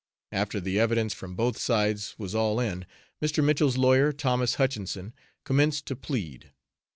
After the evidence from both sides was all in, Mr. Mitchell's lawyer, Thomas Hutchinson, commenced to plead.